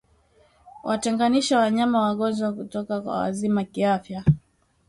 Watenganishe wanyama wagonjwa kutoka kwa wazima kiafya